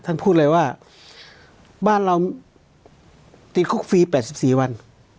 ท่านพูดเลยว่าบ้านเราติดคุกฟรีแปดสิบสี่วัน